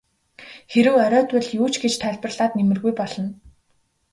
Хэрэв оройтвол юу ч гэж тайлбарлаад нэмэргүй болно.